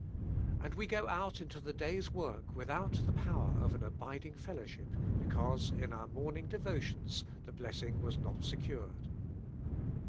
And we go out into the day's work without, the power of an abiding fellowship, because in our morning devotions the blessing was not secured.